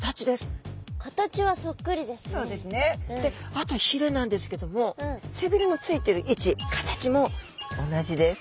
あとひれなんですけども背びれのついてる位置形も同じです。